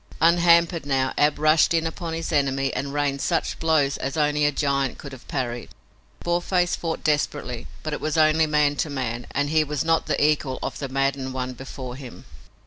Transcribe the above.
Unhampered now, Ab rushed in upon his enemy and rained such blows as only a giant could have parried. Boarface fought desperately, but it was only man to man, and he was not the equal of the maddened one before him.